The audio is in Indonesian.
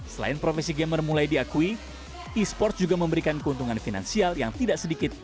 selain profesi gamer mulai diakui e sports juga memberikan keuntungan finansial yang tidak sedikit